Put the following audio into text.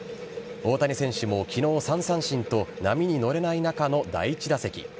大谷選手も昨日３三振と波に乗れない中の第１打席。